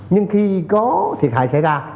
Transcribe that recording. nhưng khi có thiệt hại xảy ra